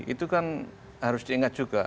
itu kan harus diingat juga